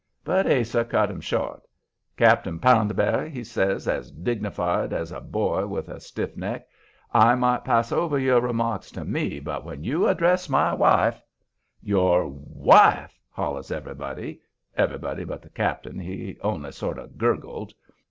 But Ase cut him short. "Cap'n Poundberry," says he, dignified as a boy with a stiff neck, "I might pass over your remarks to me, but when you address my wife " "Your WIFE?" hollers everybody everybody but the cap'n; he only sort of gurgled.